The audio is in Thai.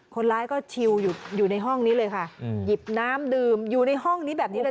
คนร้ายก็ชิวอยู่ในห้องนี้เลยค่ะหยิบน้ำดื่มอยู่ในห้องนี้แบบนี้เลยค่ะ